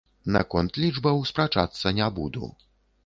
Наконт лічбаў спрачацца не буду.